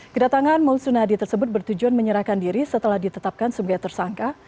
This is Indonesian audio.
kedatangan mulsunadi tersebut bertujuan menyerahkan diri setelah ditetapkan sebagai tersangka